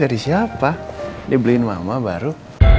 dari siapa dibeliin mama baru